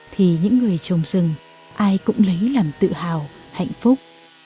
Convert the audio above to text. thì những người trồng rừng ai cũng lấy làm tự hào hạnh phúc